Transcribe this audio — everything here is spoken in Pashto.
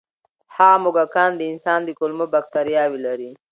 هغه موږکان د انسان د کولمو بکتریاوې لري.